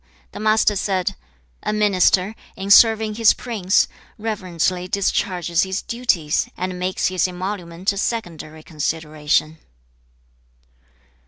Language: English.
The Master said, 'A minister, in serving his prince, reverently discharges his duties, and makes his emolument a secondary consideration.'